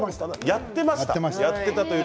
やっていました。